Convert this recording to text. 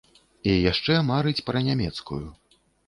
І яшчэ марыць пра нямецкую.